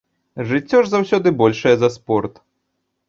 Жыццё ж заўсёды большае за спорт!